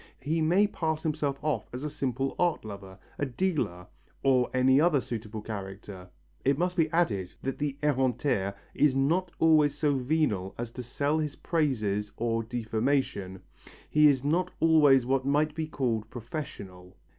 He may pass himself off as a simple art lover, a dealer, or any other suitable character. It must be added that the ereinteur is not always so venal as to sell his praises or defamation, he is not always what might be called professional.